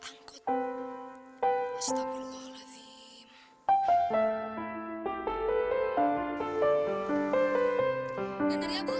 aku gak pernah mau tahu kehidupan mereka